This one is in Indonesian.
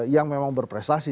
yang memang berprestasi